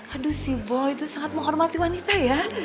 aduh si bo itu sangat menghormati wanita ya